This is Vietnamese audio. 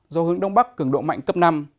gió hướng đông bắc cường độ mạnh cấp năm